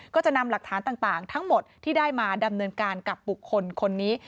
ก็จะนำหลักฐานต่างทั้งหมดที่ได้มาดำเนินการกับบุคคลคนนี้